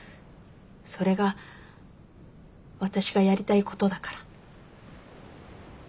それが私がやりたいことだから。